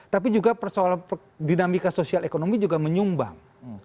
tapi juga persoalan dinamika sosial ekonomi juga menyumbang